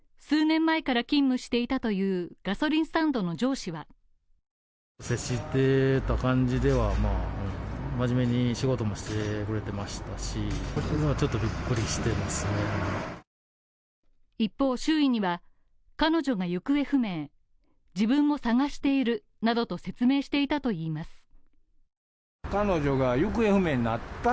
数年前から勤務していたというガソリンスタンドの上司は一方、周囲には、彼女が行方不明、自分も捜しているなどと説明していたといいます。